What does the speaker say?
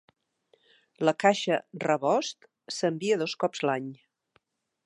La caixa "rebost" s'envia dos cops l'any.